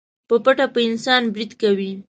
په پټه په انسان بريد کوي.